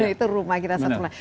itu rumah kita satu lagi